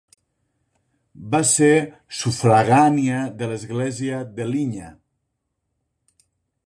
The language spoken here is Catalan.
Va ser sufragània de l'església de Linya.